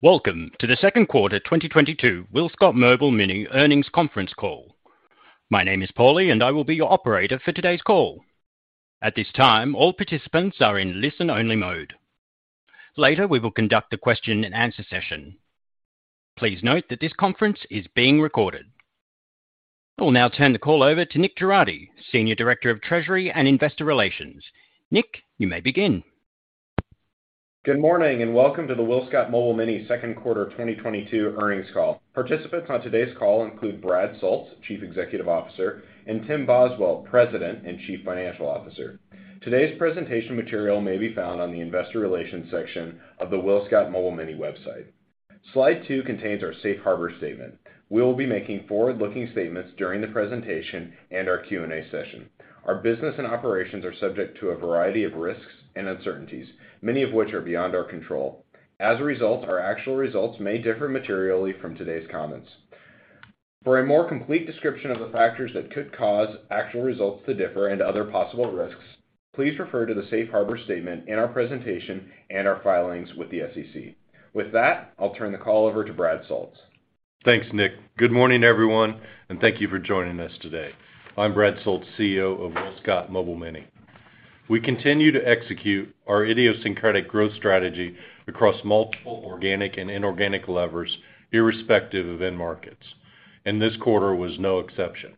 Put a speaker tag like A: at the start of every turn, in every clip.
A: Welcome to the second quarter 2022 WillScot Mobile Mini earnings conference call. My name is Paul, and I will be your operator for today's call. At this time, all participants are in listen-only mode. Later, we will conduct a question and answer session. Please note that this conference is being recorded. I will now turn the call over to Nick Girardi, Senior Director of Treasury and Investor Relations. Nick, you may begin.
B: Good morning, and welcome to the WillScot Mobile Mini second quarter 2022 earnings call. Participants on today's call include Brad Soultz, Chief Executive Officer, and Tim Boswell, President and Chief Financial Officer. Today's presentation material may be found on the investor relations section of the WillScot Mobile Mini website. Slide two contains our safe harbor statement. We will be making forward-looking statements during the presentation and our Q&A session. Our business and operations are subject to a variety of risks and uncertainties, many of which are beyond our control. As a result, our actual results may differ materially from today's comments. For a more complete description of the factors that could cause actual results to differ and other possible risks, please refer to the safe harbor statement in our presentation and our filings with the SEC. With that, I'll turn the call over to Brad Soultz.
C: Thanks, Nick Girardi. Good morning, everyone, and thank you for joining us today. I'm Brad Soultz, CEO of WillScot Mobile Mini. We continue to execute our idiosyncratic growth strategy across multiple organic and inorganic levers, irrespective of end markets, and this quarter was no exception.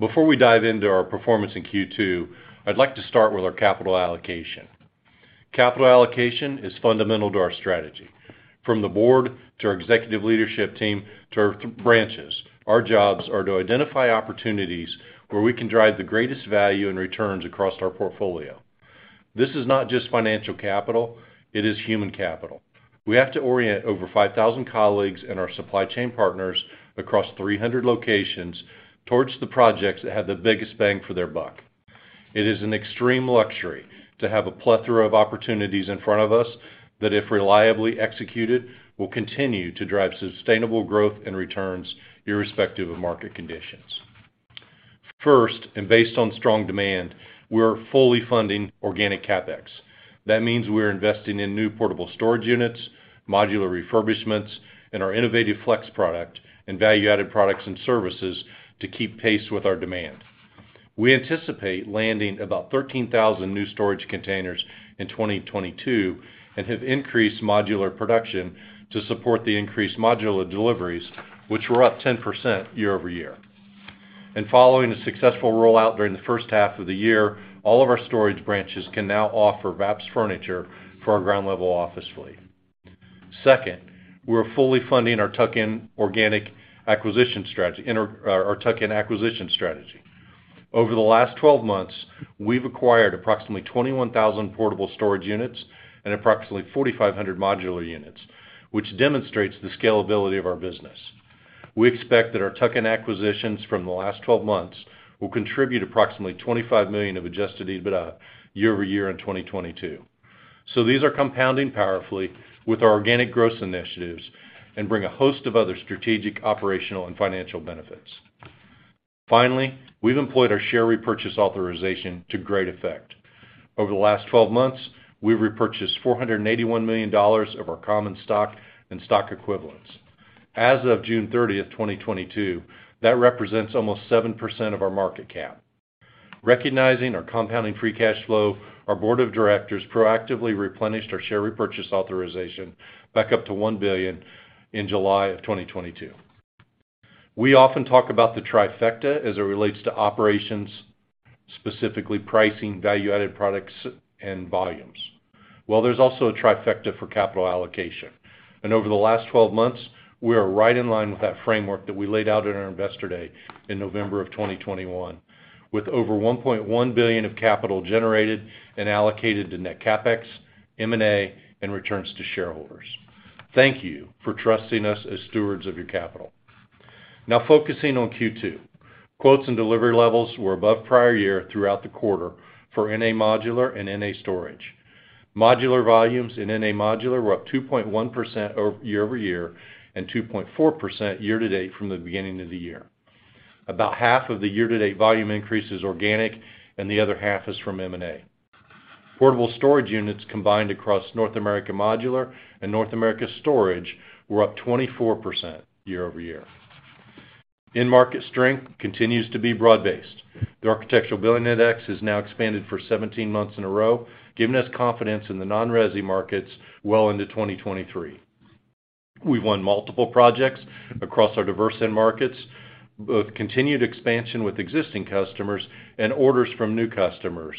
C: Before we dive into our performance in Q2, I'd like to start with our capital allocation. Capital allocation is fundamental to our strategy. From the board to our executive leadership team to our branches, our jobs are to identify opportunities where we can drive the greatest value and returns across our portfolio. This is not just financial capital, it is human capital. We have to orient over 5,000 colleagues and our supply chain partners across 300 locations towards the projects that have the biggest bang for their buck. It is an extreme luxury to have a plethora of opportunities in front of us that, if reliably executed, will continue to drive sustainable growth and returns irrespective of market conditions. First, based on strong demand, we are fully funding organic CapEx. That means we're investing in new portable storage units, modular refurbishments, and our innovative FLEX product and value-added products and services to keep pace with our demand. We anticipate landing about 13,000 new storage containers in 2022 and have increased modular production to support the increased modular deliveries, which were up 10% year-over-year. Following a successful rollout during the first half of the year, all of our storage branches can now offer VAPS furniture for our ground level office fleet. Second, we're fully funding our tuck-in organic acquisition strategy. Over the last 12 months, we've acquired approximately 21,000 portable storage units and approximately 4,500 modular units, which demonstrates the scalability of our business. We expect that our tuck-in acquisitions from the last 12 months will contribute approximately 25 million of Adjusted EBITDA year-over-year in 2022. These are compounding powerfully with our organic growth initiatives and bring a host of other strategic, operational and financial benefits. Finally, we've employed our share repurchase authorization to great effect. Over the last 12 months, we've repurchased $481 million of our common stock and stock equivalents. As of June 30, 2022, that represents almost 7% of our market cap. Recognizing our compounding free cash flow, our board of directors proactively replenished our share repurchase authorization back up to $1 billion in July 2022. We often talk about the trifecta as it relates to operations, specifically pricing, value-added products and volumes. Well, there's also a trifecta for capital allocation. Over the last 12 months, we are right in line with that framework that we laid out at our Investor Day in November of 2021 with over $1.1 billion of capital generated and allocated to net CapEx, M&A and returns to shareholders. Thank you for trusting us as stewards of your capital. Now focusing on Q2. Quotes and delivery levels were above prior year throughout the quarter for NA Modular and NA Storage. Modular volumes in NA Modular were up 2.1% year-over-year and 2.4% year-to-date from the beginning of the year. About half of the year to date volume increase is organic and the other half is from M&A. Portable storage units combined across North America Modular and North America Storage were up 24% year-over-year. End market strength continues to be broad-based. The Architectural Billings Index is now expanded for 17 months in a row, giving us confidence in the non-resi markets well into 2023. We've won multiple projects across our diverse end markets, both continued expansion with existing customers and orders from new customers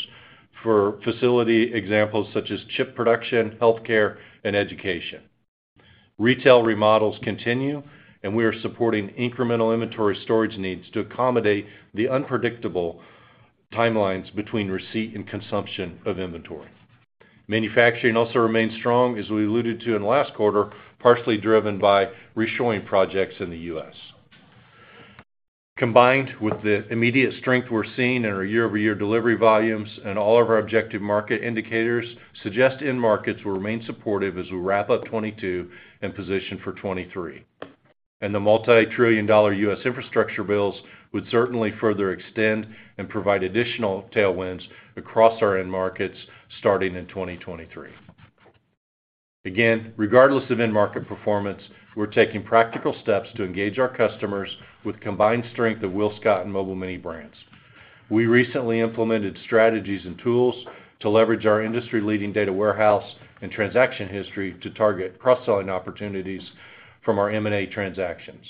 C: for facility examples such as chip production, healthcare and education. Retail remodels continue, and we are supporting incremental inventory storage needs to accommodate the unpredictable timelines between receipt and consumption of inventory. Manufacturing also remains strong, as we alluded to in the last quarter, partially driven by reshoring projects in the U.S. Combined with the immediate strength we're seeing in our year-over-year delivery volumes, and all of our objective market indicators suggest end markets will remain supportive as we wrap up 2022 and position for 2023. The multi-trillion-dollar U.S. infrastructure bills would certainly further extend and provide additional tailwinds across our end markets starting in 2023. Again, regardless of end market performance, we're taking practical steps to engage our customers with combined strength of WillScot and Mobile Mini brands. We recently implemented strategies and tools to leverage our industry-leading data warehouse and transaction history to target cross-selling opportunities from our M&A transactions.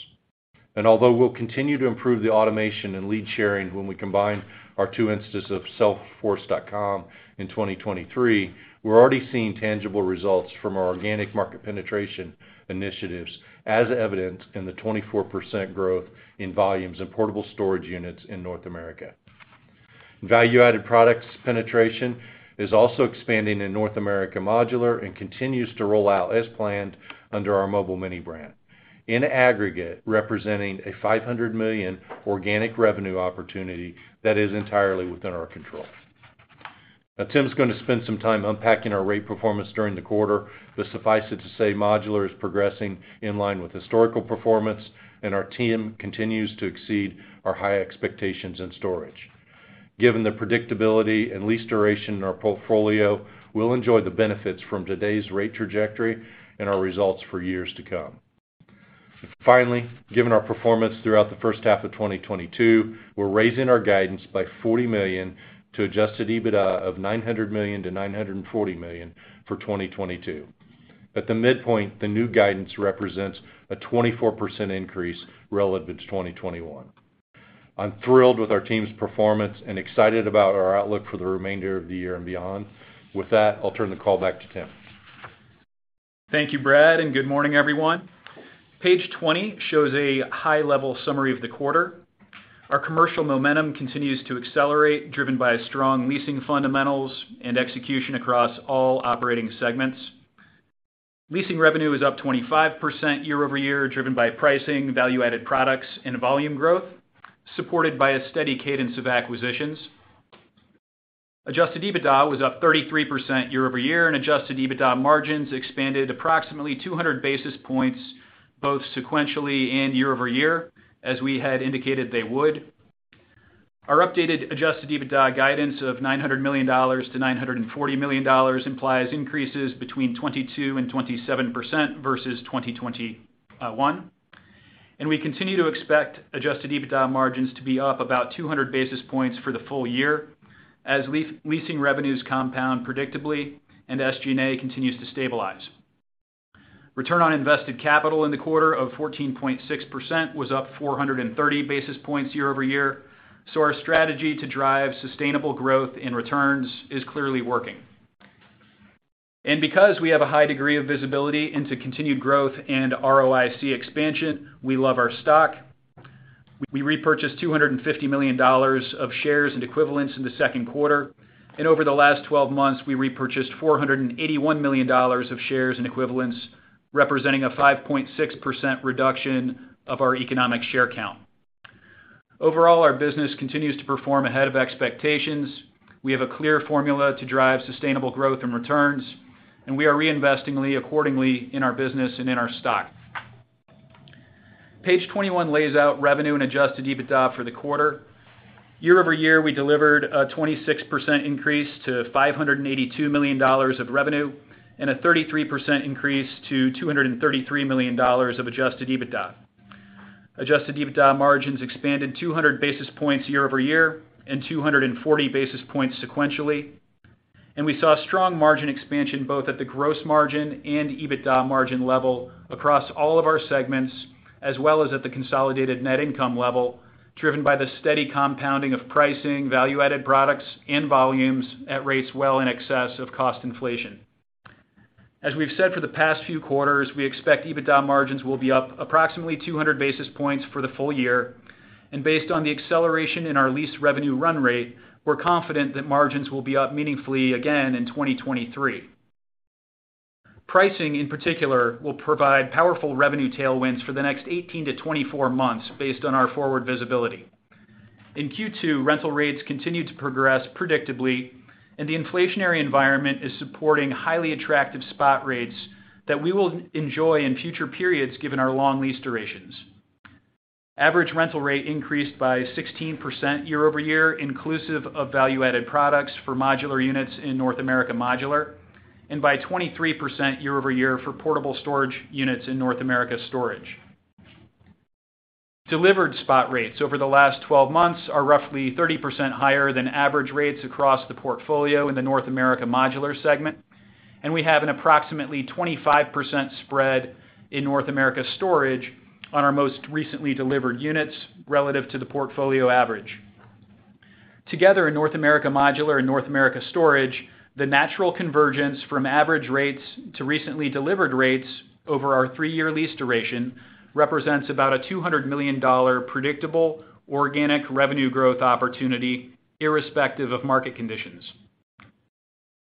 C: Although we'll continue to improve the automation and lead sharing when we combine our two instances of Salesforce.com in 2023, we're already seeing tangible results from our organic market penetration initiatives as evidenced in the 24% growth in volumes and portable storage units in North America. Value-added products penetration is also expanding in North America Modular and continues to roll out as planned under our Mobile Mini brand, in aggregate, representing a $500 million organic revenue opportunity that is entirely within our control. Now, Tim's gonna spend some time unpacking our rate performance during the quarter, but suffice it to say Modular is progressing in line with historical performance, and our team continues to exceed our high expectations in storage. Given the predictability and lease duration in our portfolio, we'll enjoy the benefits from today's rate trajectory and our results for years to come. Finally, given our performance throughout the first half of 2022, we're raising our guidance by $40 million to Adjusted EBITDA of $900 million-$940 million for 2022. At the midpoint, the new guidance represents a 24% increase relative to 2021. I'm thrilled with our team's performance and excited about our outlook for the remainder of the year and beyond. With that, I'll turn the call back to Tim.
D: Thank you, Brad, and good morning, everyone. Page 20 shows a high-level summary of the quarter. Our commercial momentum continues to accelerate, driven by strong leasing fundamentals and execution across all operating segments. Leasing revenue is up 25% year-over-year, driven by pricing, value-added products and volume growth, supported by a steady cadence of acquisitions. Adjusted EBITDA was up 33% year-over-year, and Adjusted EBITDA margins expanded approximately 200 basis points, both sequentially and year-over-year, as we had indicated they would. Our updated Adjusted EBITDA guidance of $900 million-$940 million implies increases between 22%-27% versus 2021. We continue to expect Adjusted EBITDA margins to be up about 200 basis points for the full year as leasing revenues compound predictably and SG&A continues to stabilize. Return on invested capital in the quarter of 14.6% was up 430 basis points year-over-year. Our strategy to drive sustainable growth in returns is clearly working. Because we have a high degree of visibility into continued growth and ROIC expansion, we love our stock. We repurchased $250 million of shares and equivalents in the second quarter. Over the last 12 months, we repurchased $481 million of shares and equivalents, representing a 5.6% reduction of our economic share count. Overall, our business continues to perform ahead of expectations. We have a clear formula to drive sustainable growth and returns, and we are reinvesting accordingly in our business and in our stock. Page 21 lays out revenue and Adjusted EBITDA for the quarter. Year-over-year, we delivered a 26% increase to $582 million of revenue and a 33% increase to $233 million of Adjusted EBITDA. Adjusted EBITDA margins expanded 200 basis points year-over-year and 240 basis points sequentially. We saw strong margin expansion both at the gross margin and EBITDA margin level across all of our segments, as well as at the consolidated net income level, driven by the steady compounding of pricing, value-added products, and volumes at rates well in excess of cost inflation. As we've said for the past few quarters, we expect EBITDA margins will be up approximately 200 basis points for the full year. Based on the acceleration in our lease revenue run rate, we're confident that margins will be up meaningfully again in 2023. Pricing, in particular, will provide powerful revenue tailwinds for the next 18-24 months based on our forward visibility. In Q2, rental rates continued to progress predictably, and the inflationary environment is supporting highly attractive spot rates that we will enjoy in future periods given our long lease durations. Average rental rate increased by 16% year-over-year, inclusive of value-added products for modular units in North America Modular, and by 23% year-over-year for portable storage units in North America Storage. Delivered spot rates over the last 12 months are roughly 30% higher than average rates across the portfolio in the North America Modular segment, and we have an approximately 25% spread in North America Storage on our most recently delivered units relative to the portfolio average. Together in North America Modular and North America Storage, the natural convergence from average rates to recently delivered rates over our three-year lease duration represents about a $200 million predictable organic revenue growth opportunity irrespective of market conditions.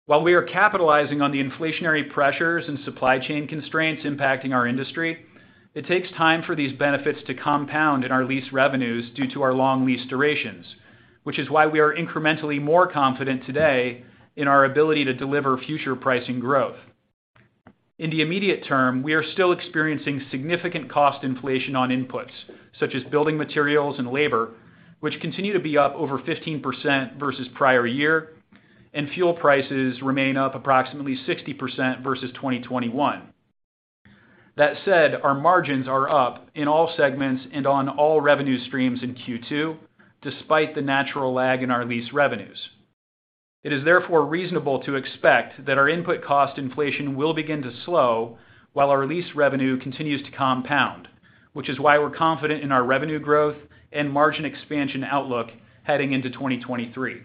D: While we are capitalizing on the inflationary pressures and supply chain constraints impacting our industry, it takes time for these benefits to compound in our lease revenues due to our long lease durations. Which is why we are incrementally more confident today in our ability to deliver future pricing growth. In the immediate term, we are still experiencing significant cost inflation on inputs such as building materials and labor, which continue to be up over 15% versus prior year, and fuel prices remain up approximately 60% versus 2021. That said, our margins are up in all segments and on all revenue streams in Q2, despite the natural lag in our lease revenues. It is therefore reasonable to expect that our input cost inflation will begin to slow while our lease revenue continues to compound, which is why we're confident in our revenue growth and margin expansion outlook heading into 2023.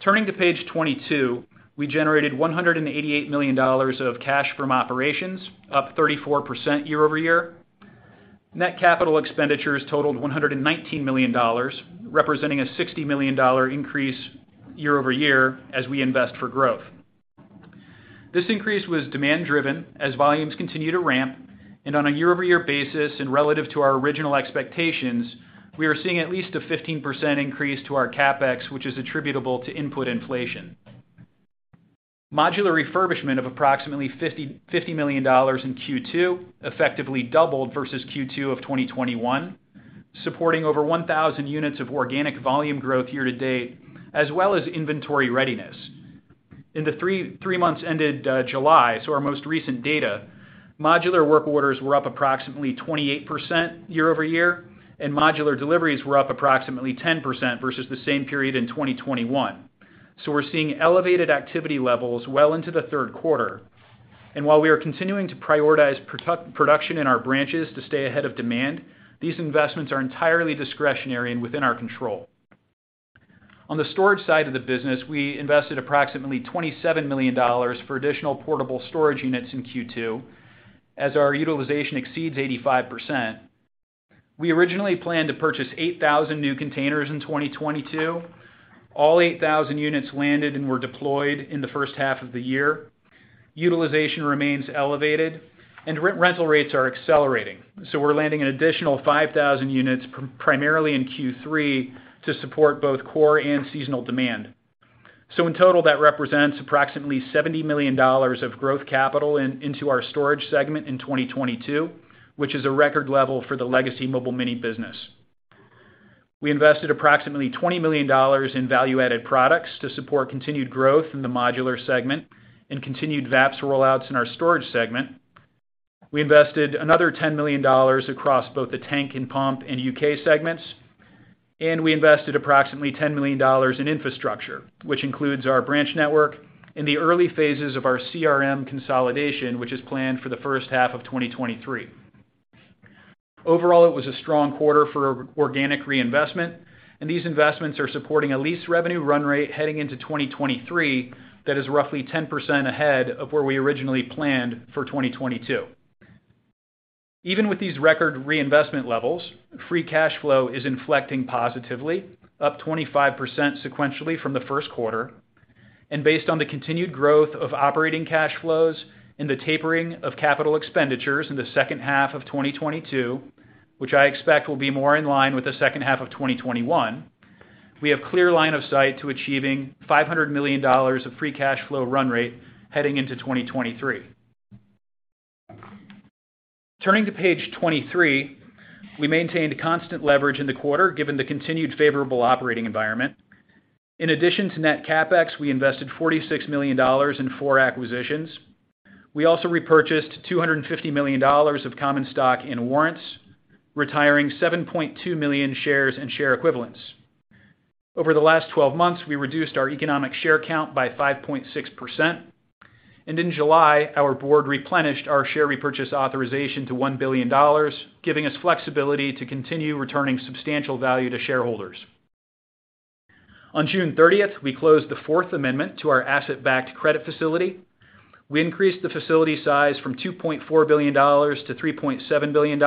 D: Turning to page 22. We generated $188 million of cash from operations, up 34% year-over-year. Net capital expenditures totaled $119 million, representing a $60 million increase year-over-year as we invest for growth. This increase was demand driven as volumes continue to ramp and on a year-over-year basis and relative to our original expectations, we are seeing at least a 15% increase to our CapEx, which is attributable to input inflation. Modular refurbishment of approximately $50 million in Q2 effectively doubled versus Q2 of 2021, supporting over 1,000 units of organic volume growth year-to-date, as well as inventory readiness. In the three months ended July, so our most recent data, modular work orders were up approximately 28% year-over-year, and modular deliveries were up approximately 10% versus the same period in 2021. We're seeing elevated activity levels well into the third quarter. While we are continuing to prioritize production in our branches to stay ahead of demand, these investments are entirely discretionary and within our control. On the storage side of the business, we invested approximately $27 million for additional portable storage units in Q2 as our utilization exceeds 85%. We originally planned to purchase 8,000 new containers in 2022. All 8,000 units landed and were deployed in the first half of the year. Utilization remains elevated and rental rates are accelerating, so we're landing an additional 5,000 units primarily in Q3 to support both core and seasonal demand. In total, that represents approximately $70 million of growth capital into our storage segment in 2022, which is a record level for the legacy Mobile Mini business. We invested approximately $20 million in value-added products to support continued growth in the modular segment and continued VAPS rollouts in our storage segment. We invested another $10 million across both the tank and pump and U.K. segments, and we invested approximately $10 million in infrastructure, which includes our branch network in the early phases of our CRM consolidation, which is planned for the first half of 2023. Overall, it was a strong quarter for organic reinvestment, and these investments are supporting a lease revenue run rate heading into 2023 that is roughly 10% ahead of where we originally planned for 2022. Even with these record reinvestment levels, free cash flow is inflecting positively, up 25% sequentially from the first quarter. Based on the continued growth of operating cash flows and the tapering of capital expenditures in the second half of 2022, which I expect will be more in line with the second half of 2021, we have clear line of sight to achieving $500 million of free cash flow run rate heading into 2023. Turning to page 23. We maintained constant leverage in the quarter given the continued favorable operating environment. In addition to net CapEx, we invested $46 million in four acquisitions. We also repurchased $250 million of common stock in warrants, retiring 7.2 million shares and share equivalents. Over the last 12 months, we reduced our economic share count by 5.6%. In July, our board replenished our share repurchase authorization to $1 billion, giving us flexibility to continue returning substantial value to shareholders. On June 30, we closed the fourth amendment to our asset-backed credit facility. We increased the facility size from $2.4 billion-$3.7 billion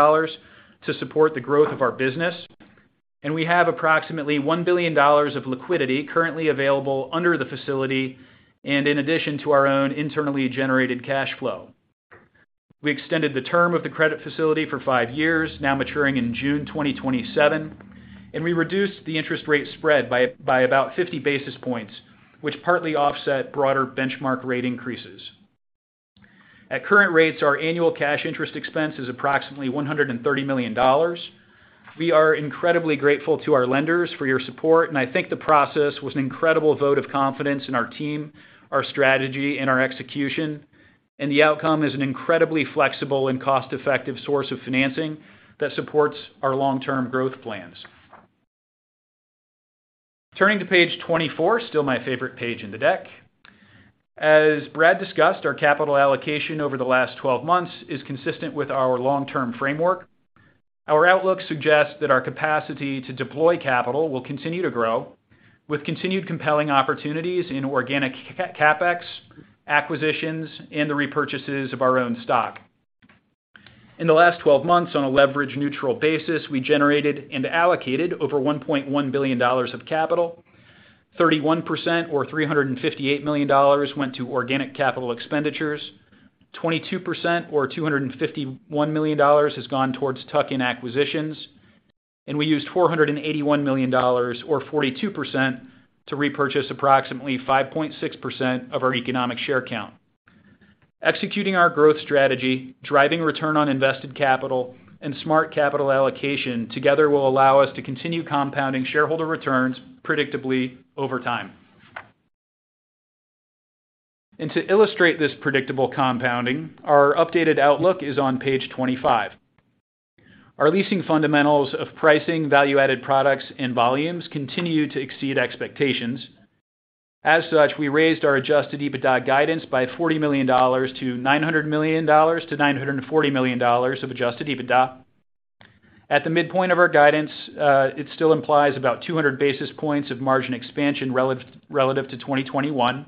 D: to support the growth of our business, and we have approximately $1 billion of liquidity currently available under the facility and in addition to our own internally generated cash flow. We extended the term of the credit facility for five years, now maturing in June 2027, and we reduced the interest rate spread by about 50 basis points, which partly offset broader benchmark rate increases. At current rates, our annual cash interest expense is approximately $130 million. We are incredibly grateful to our lenders for your support, and I think the process was an incredible vote of confidence in our team, our strategy, and our execution. The outcome is an incredibly flexible and cost-effective source of financing that supports our long-term growth plans. Turning to page 24. Still my favorite page in the deck. As Brad discussed, our capital allocation over the last 12 months is consistent with our long-term framework. Our outlook suggests that our capacity to deploy capital will continue to grow with continued compelling opportunities in organic CapEx, acquisitions, and the repurchases of our own stock. In the last 12 months, on a leverage neutral basis, we generated and allocated over $1.1 billion of capital. 31% or $358 million went to organic capital expenditures. 22% or $251 million has gone towards tuck-in acquisitions. We used $481 million or 42% to repurchase approximately 5.6% of our economic share count. Executing our growth strategy, driving return on invested capital and smart capital allocation together will allow us to continue compounding shareholder returns predictably over time. To illustrate this predictable compounding, our updated outlook is on page 25. Our leasing fundamentals of pricing, value-added products and volumes continue to exceed expectations. As such, we raised our Adjusted EBITDA guidance by $40 million-$900 million-$940 million of Adjusted EBITDA. At the midpoint of our guidance, it still implies about 200 basis points of margin expansion relative to 2021.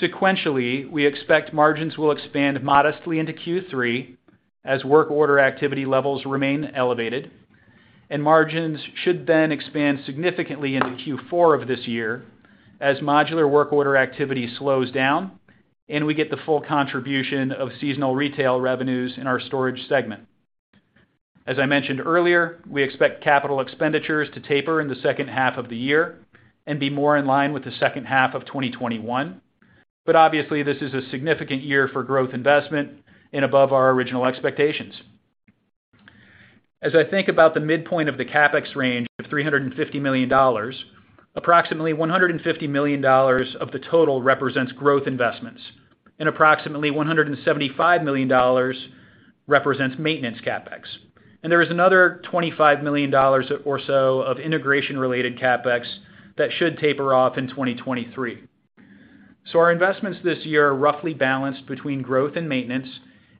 D: Sequentially, we expect margins will expand modestly into Q3 as work order activity levels remain elevated, and margins should then expand significantly into Q4 of this year as modular work order activity slows down and we get the full contribution of seasonal retail revenues in our storage segment. As I mentioned earlier, we expect capital expenditures to taper in the second half of the year and be more in line with the second half of 2021. Obviously, this is a significant year for growth investment and above our original expectations. As I think about the midpoint of the CapEx range of $350 million, approximately $150 million of the total represents growth investments, and approximately $175 million represents maintenance CapEx. There is another $25 million or so of integration-related CapEx that should taper off in 2023. Our investments this year are roughly balanced between growth and maintenance,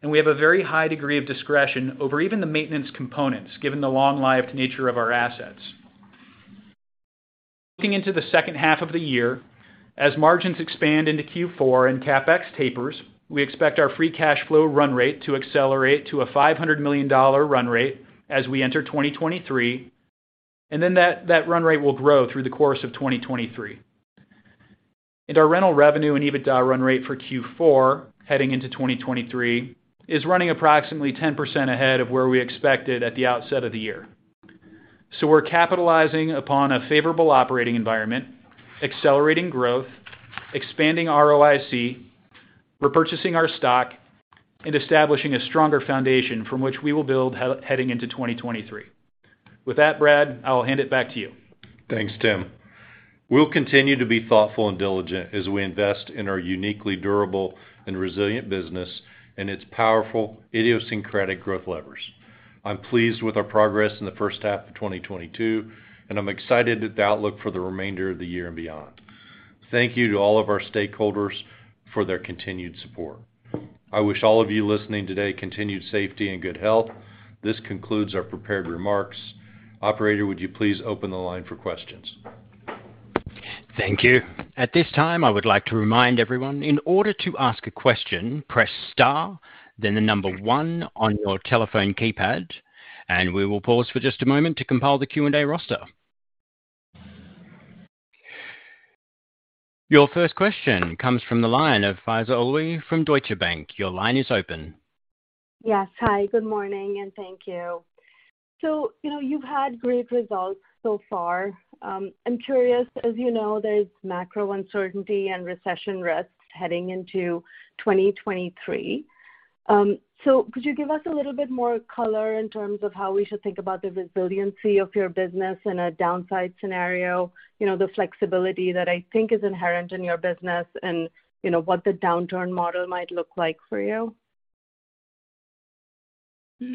D: and we have a very high degree of discretion over even the maintenance components, given the long-lived nature of our assets. Looking into the second half of the year, as margins expand into Q4 and CapEx tapers, we expect our free cash flow run rate to accelerate to a $500 million run rate as we enter 2023, and then that run rate will grow through the course of 2023. Our rental revenue and EBITDA run rate for Q4 heading into 2023 is running approximately 10% ahead of where we expected at the outset of the year. We're capitalizing upon a favorable operating environment, accelerating growth, expanding ROIC, repurchasing our stock, and establishing a stronger foundation from which we will build heading into 2023. With that, Brad, I will hand it back to you.
C: Thanks, Tim. We'll continue to be thoughtful and diligent as we invest in our uniquely durable and resilient business and its powerful, idiosyncratic growth levers. I'm pleased with our progress in the first half of 2022, and I'm excited at the outlook for the remainder of the year and beyond. Thank you to all of our stakeholders for their continued support. I wish all of you listening today continued safety and good health. This concludes our prepared remarks. Operator, would you please open the line for questions?
A: Thank you. At this time, I would like to remind everyone, in order to ask a question, press star, then the number one on your telephone keypad, and we will pause for just a moment to compile the Q&A roster. Your first question comes from the line of Faiza Alwy from Deutsche Bank. Your line is open.
E: Yes. Hi, good morning, and thank you. You know, you've had great results so far. I'm curious, as you know, there's macro uncertainty and recession risks heading into 2023. Could you give us a little bit more color in terms of how we should think about the resiliency of your business in a downside scenario, you know, the flexibility that I think is inherent in your business and, you know, what the downturn model might look like for you?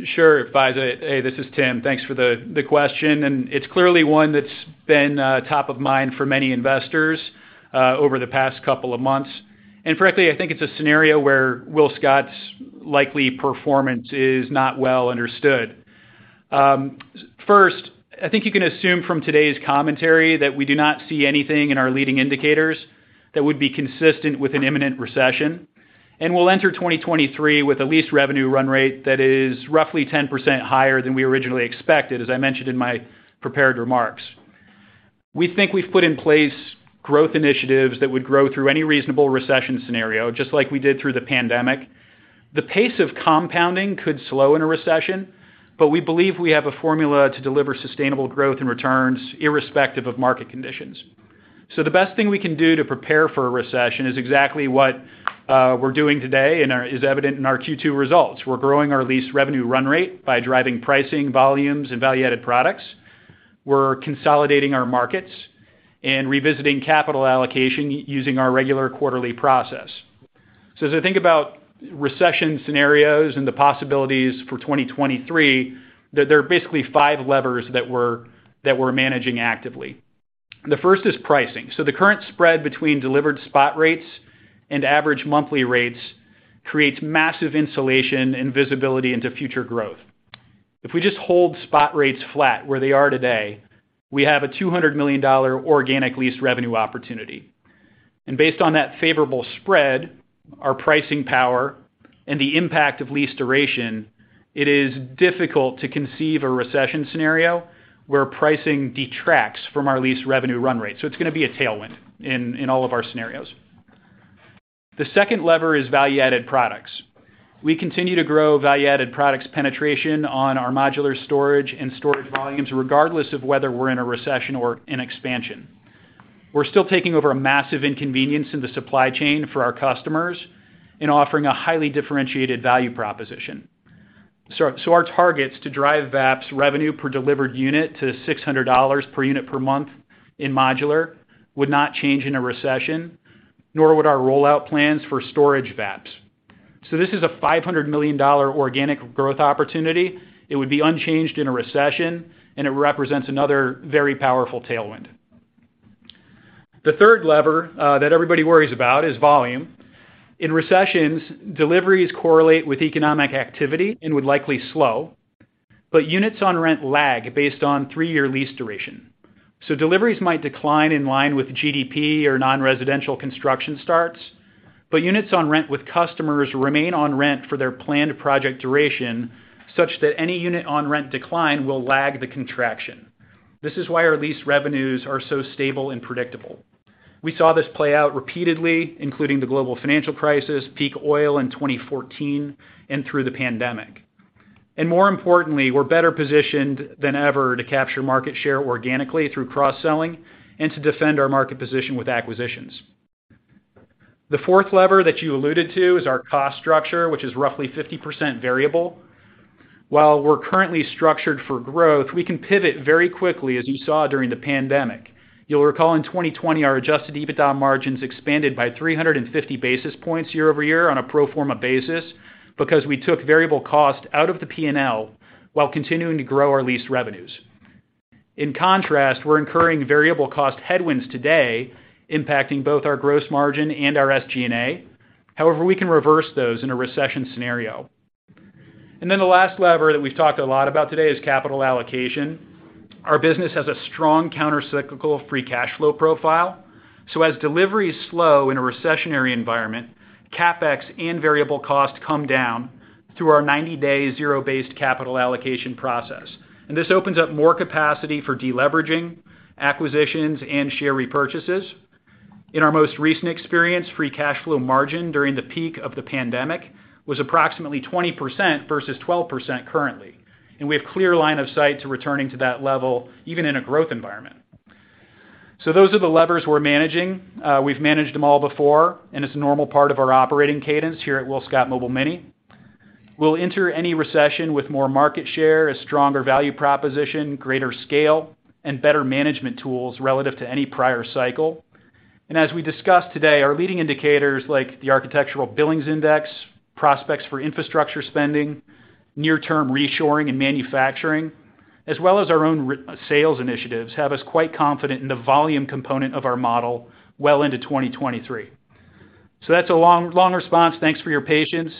D: Sure, Faiza. Hey, this is Tim. Thanks for the question, and it's clearly one that's been top of mind for many investors over the past couple of months. Frankly, I think it's a scenario where WillScot's likely performance is not well understood. First, I think you can assume from today's commentary that we do not see anything in our leading indicators that would be consistent with an imminent recession, and we'll enter 2023 with a lease revenue run rate that is roughly 10% higher than we originally expected, as I mentioned in my prepared remarks. We think we've put in place growth initiatives that would grow through any reasonable recession scenario, just like we did through the pandemic. The pace of compounding could slow in a recession, but we believe we have a formula to deliver sustainable growth and returns irrespective of market conditions. The best thing we can do to prepare for a recession is exactly what we're doing today is evident in our Q2 results. We're growing our lease revenue run rate by driving pricing, volumes, and value-added products. We're consolidating our markets and revisiting capital allocation using our regular quarterly process. As I think about recession scenarios and the possibilities for 2023, there are basically five levers that we're managing actively. The first is pricing. The current spread between delivered spot rates and average monthly rates creates massive insulation and visibility into future growth. If we just hold spot rates flat where they are today, we have a $200 million organic lease revenue opportunity. Based on that favorable spread, our pricing power and the impact of lease duration, it is difficult to conceive a recession scenario where pricing detracts from our lease revenue run rate. It's gonna be a tailwind in all of our scenarios. The second lever is value-added products. We continue to grow value-added products penetration on our modular storage and storage volumes, regardless of whether we're in a recession or in expansion. We're still taking over a massive inconvenience in the supply chain for our customers and offering a highly differentiated value proposition. Our targets to drive VAPS revenue per delivered unit to $600 per unit per month in modular would not change in a recession, nor would our rollout plans for storage VAPS. This is a $500 million organic growth opportunity. It would be unchanged in a recession, and it represents another very powerful tailwind. The third lever that everybody worries about is volume. In recessions, deliveries correlate with economic activity and would likely slow, but units on rent lag based on three-year lease duration. Deliveries might decline in line with GDP or non-residential construction starts, but units on rent with customers remain on rent for their planned project duration, such that any unit-on-rent decline will lag the contraction. This is why our lease revenues are so stable and predictable. We saw this play out repeatedly, including the global financial crisis, peak oil in 2014, and through the pandemic. More importantly, we're better positioned than ever to capture market share organically through cross-selling and to defend our market position with acquisitions. The fourth lever that you alluded to is our cost structure, which is roughly 50% variable. While we're currently structured for growth, we can pivot very quickly, as you saw during the pandemic. You'll recall in 2020, our Adjusted EBITDA margins expanded by 350 basis points year-over-year on a pro forma basis because we took variable costs out of the P&L while continuing to grow our lease revenues. In contrast, we're incurring variable cost headwinds today, impacting both our gross margin and our SG&A. However, we can reverse those in a recession scenario. The last lever that we've talked a lot about today is capital allocation. Our business has a strong countercyclical free cash flow profile. As deliveries slow in a recessionary environment, CapEx and variable costs come down through our 90-day zero-based capital allocation process. This opens up more capacity for deleveraging, acquisitions, and share repurchases. In our most recent experience, free cash flow margin during the peak of the pandemic was approximately 20% versus 12% currently, and we have clear line of sight to returning to that level even in a growth environment. Those are the levers we're managing. We've managed them all before, and it's a normal part of our operating cadence here at WillScot Mobile Mini. We'll enter any recession with more market share, a stronger value proposition, greater scale, and better management tools relative to any prior cycle. As we discussed today, our leading indicators like the Architectural Billings Index, prospects for infrastructure spending, near-term reshoring and manufacturing, as well as our own sales initiatives, have us quite confident in the volume component of our model well into 2023. That's a long response. Thanks for your patience,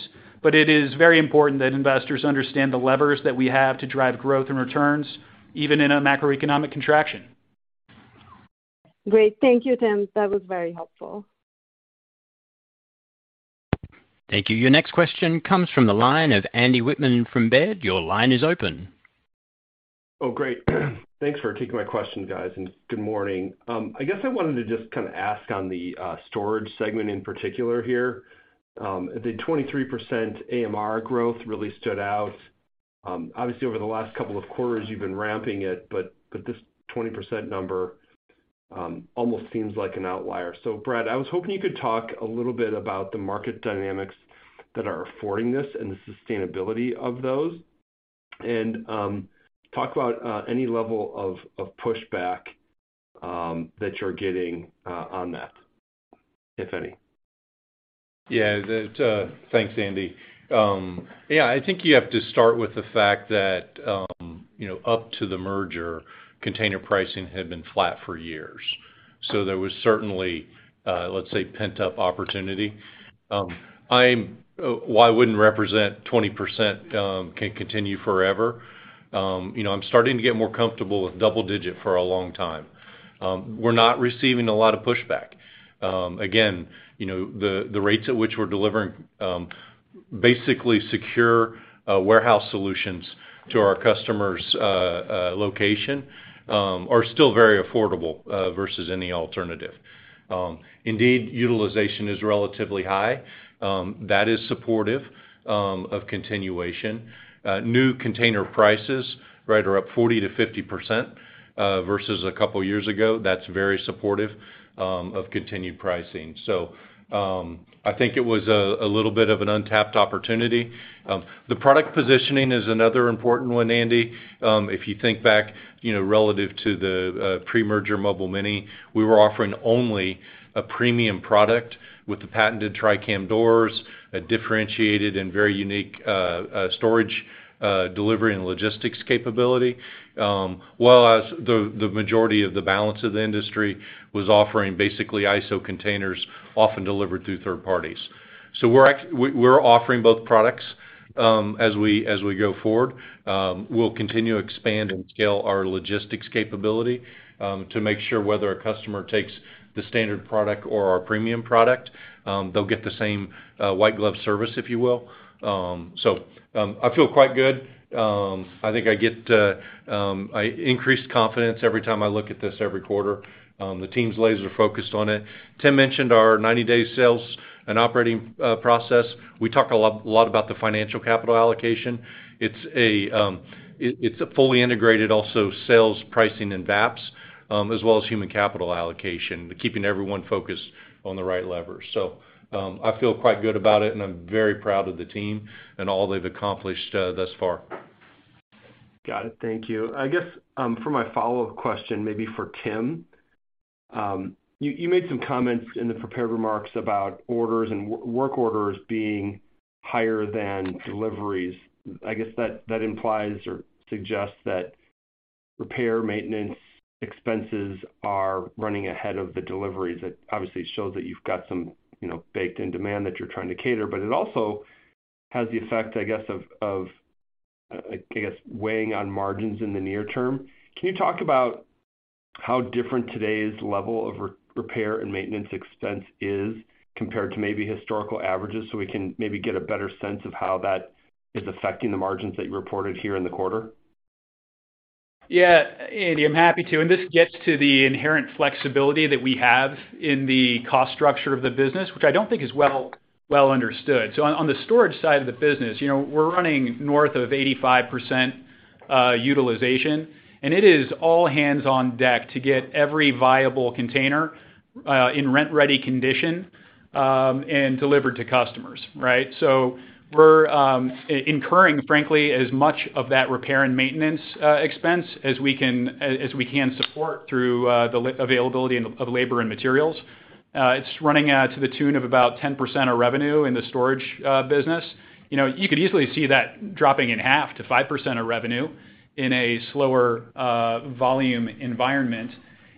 D: but it is very important that investors understand the levers that we have to drive growth and returns even in a macroeconomic contraction.
E: Great. Thank you, Tim. That was very helpful.
A: Thank you. Your next question comes from the line of Andy Wittmann from Baird. Your line is open.
F: Oh, great. Thanks for taking my question, guys, and good morning. I guess I wanted to just kind of ask on the storage segment in particular here. The 23% AMR growth really stood out. Obviously, over the last couple of quarters you've been ramping it, but this 20% number almost seems like an outlier. Brad, I was hoping you could talk a little bit about the market dynamics that are affording this and the sustainability of those. And talk about any level of pushback that you're getting on that, if any.
C: Thanks, Andy. Yeah, I think you have to start with the fact that, you know, up to the merger, container pricing had been flat for years. There was certainly, let's say, pent-up opportunity. While I wouldn't represent 20% can continue forever, you know, I'm starting to get more comfortable with double-digit for a long time. We're not receiving a lot of pushback. Again, you know, the rates at which we're delivering basically secure warehouse solutions to our customers' location are still very affordable versus any alternative. Indeed, utilization is relatively high. That is supportive of continuation. New container prices, right, are up 40%-50% versus a couple years ago. That's very supportive of continued pricing. I think it was a little bit of an untapped opportunity. The product positioning is another important one, Andy. If you think back, you know, relative to the pre-merger Mobile Mini, we were offering only a premium product with the patented Tri-Cam doors, a differentiated and very unique storage delivery and logistics capability. Well, as the majority of the balance of the industry was offering basically ISO containers often delivered through third parties. We're offering both products as we go forward. We'll continue to expand and scale our logistics capability to make sure whether a customer takes the standard product or our premium product, they'll get the same white glove service, if you will. I feel quite good. I think I get increased confidence every time I look at this every quarter. The team's laser focused on it. Tim mentioned our 90-day sales and operating process. We talk a lot about the financial capital allocation. It's also a fully integrated sales, pricing and VAPS as well as human capital allocation. We're keeping everyone focused on the right levers. I feel quite good about it, and I'm very proud of the team and all they've accomplished thus far.
F: Got it. Thank you. I guess for my follow-up question, maybe for Tim. You made some comments in the prepared remarks about orders and work orders being higher than deliveries. I guess that implies or suggests that repair, maintenance, expenses are running ahead of the deliveries. That obviously shows that you've got some, you know, baked in demand that you're trying to cater. But it also has the effect, I guess, of weighing on margins in the near term. Can you talk about how different today's level of repair and maintenance expense is compared to maybe historical averages, so we can maybe get a better sense of how that is affecting the margins that you reported here in the quarter?
D: Yeah, Andy, I'm happy to. This gets to the inherent flexibility that we have in the cost structure of the business, which I don't think is well understood. On the storage side of the business, you know, we're running north of 85% utilization, and it is all hands on deck to get every viable container in rent-ready condition and delivered to customers, right? We're incurring, frankly, as much of that repair and maintenance expense as we can support through the availability of labor and materials. It's running out to the tune of about 10% of revenue in the storage business. You know, you could easily see that dropping in half to 5% of revenue in a slower volume environment.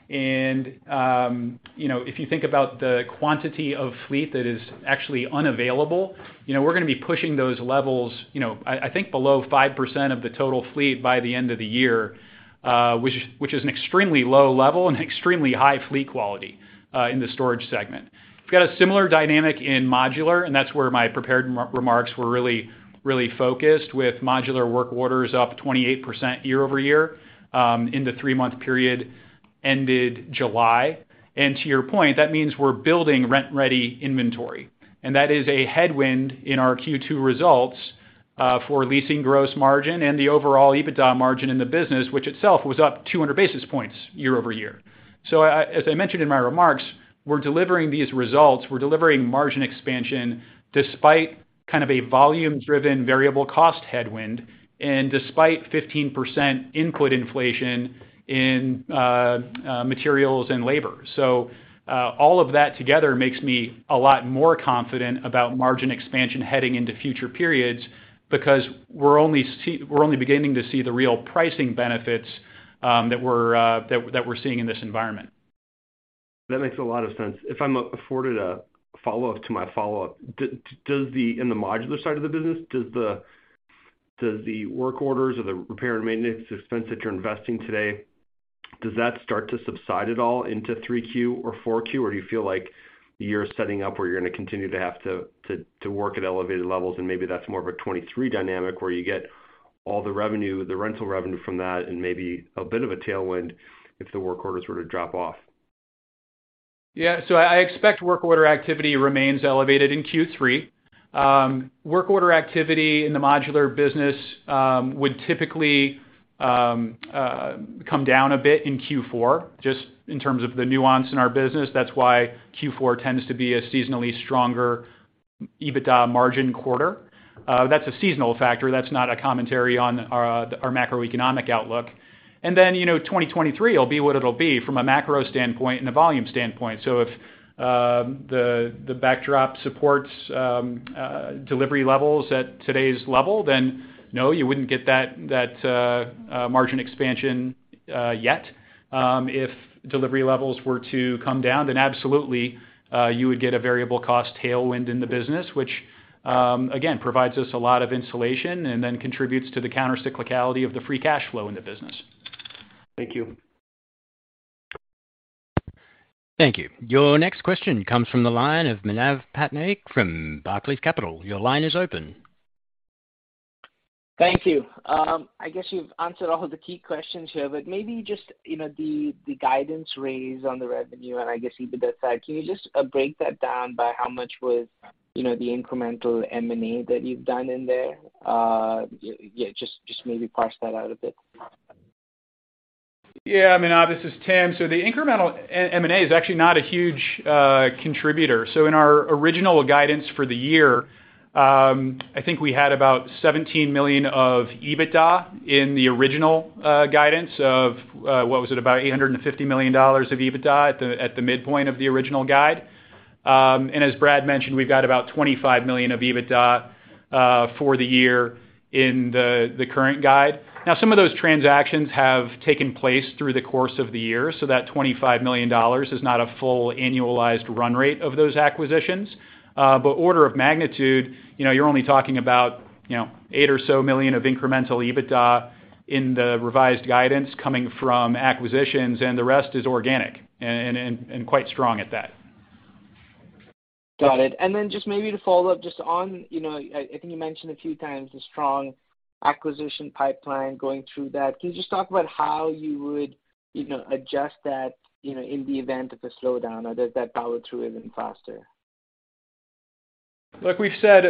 D: You know, if you think about the quantity of fleet that is actually unavailable, you know, we're gonna be pushing those levels, you know, I think below 5% of the total fleet by the end of the year, which is an extremely low level and extremely high fleet quality in the storage segment. We've got a similar dynamic in modular, and that's where my prepared remarks were really focused with modular work orders up 28% year-over-year in the three-month period ended July. To your point, that means we're building rent-ready inventory, and that is a headwind in our Q2 results for leasing gross margin and the overall EBITDA margin in the business, which itself was up 200 basis points year-over-year. As I mentioned in my remarks, we're delivering these results, we're delivering margin expansion despite kind of a volume-driven variable cost headwind and despite 15% input inflation in materials and labor. All of that together makes me a lot more confident about margin expansion heading into future periods because we're only beginning to see the real pricing benefits that we're seeing in this environment.
F: That makes a lot of sense. If I'm afforded a follow-up to my follow-up, in the modular side of the business, does the work orders or the repair and maintenance expense that you're investing today, does that start to subside at all into 3Q or 4Q, or do you feel like you're setting up where you're gonna continue to have to work at elevated levels and maybe that's more of a 2023 dynamic where you get all the revenue, the rental revenue from that and maybe a bit of a tailwind if the work orders were to drop off?
D: Yeah. I expect work order activity remains elevated in Q3. Work order activity in the modular business would typically come down a bit in Q4, just in terms of the nuance in our business. That's why Q4 tends to be a seasonally stronger EBITDA margin quarter. That's a seasonal factor. That's not a commentary on our macroeconomic outlook. You know, 2023 will be what it'll be from a macro standpoint and a volume standpoint. If the backdrop supports delivery levels at today's level, then no, you wouldn't get that margin expansion yet. If delivery levels were to come down, then absolutely, you would get a variable cost tailwind in the business, which, again, provides us a lot of insulation and then contributes to the countercyclicality of the free cash flow in the business.
F: Thank you.
A: Thank you. Your next question comes from the line of Manav Patnaik from Barclays Capital. Your line is open.
G: Thank you. I guess you've answered all the key questions here, but maybe just, you know, the guidance raise on the revenue and I guess EBITDA side, can you just break that down by how much was, you know, the incremental M&A that you've done in there? Yeah, just maybe parse that out a bit.
D: Yeah. Manav, this is Tim. The incremental M&A is actually not a huge contributor. In our original guidance for the year, I think we had about $17 million of EBITDA in the original guidance of what was it? About $850 million of EBITDA at the midpoint of the original guide. As Brad mentioned, we've got about $25 million of EBITDA for the year in the current guide. Now some of those transactions have taken place through the course of the year, so that $25 million is not a full annualized run rate of those acquisitions. But order of magnitude, you know, you're only talking about, you know, $8 million or so of incremental EBITDA in the revised guidance coming from acquisitions and the rest is organic, and quite strong at that.
G: Got it. Just maybe to follow up just on, you know, I think you mentioned a few times the strong acquisition pipeline going through that. Can you just talk about how you would, you know, adjust that, you know, in the event of a slowdown? Are there that follow through even faster?
D: Look, we've said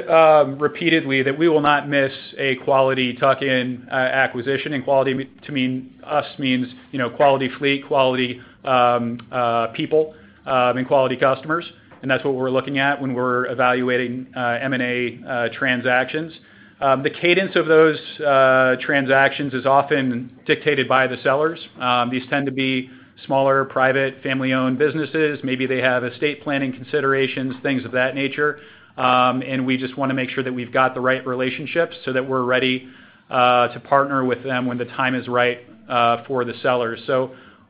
D: repeatedly that we will not miss a quality tuck-in acquisition, and quality to us means, you know, quality fleet, quality people, and quality customers, and that's what we're looking at when we're evaluating M&A transactions. The cadence of those transactions is often dictated by the sellers. These tend to be smaller, private, family-owned businesses. Maybe they have estate planning considerations, things of that nature. We just wanna make sure that we've got the right relationships so that we're ready to partner with them when the time is right for the sellers.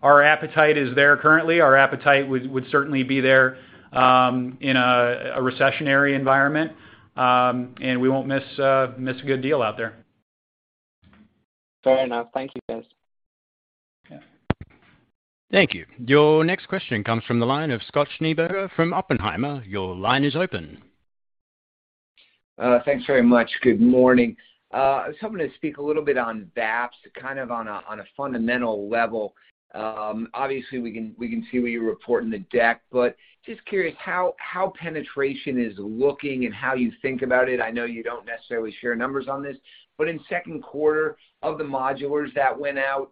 D: Our appetite is there currently. Our appetite would certainly be there in a recessionary environment, and we won't miss a good deal out there.
G: Fair enough. Thank you, guys.
D: Yeah.
A: Thank you. Your next question comes from the line of Scott Schneeberger from Oppenheimer. Your line is open.
H: Thanks very much. Good morning. I was hoping to speak a little bit on VAPS, kind of on a fundamental level. Obviously, we can see what you report in the deck, but just curious how penetration is looking and how you think about it. I know you don't necessarily share numbers on this. In second quarter of the modulars that went out,